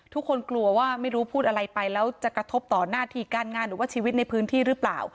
กลัวว่าไม่รู้พูดอะไรไปแล้วจะกระทบต่อหน้าที่การงานหรือว่าชีวิตในพื้นที่หรือเปล่า